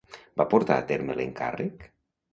Va portar a terme l'encàrrec?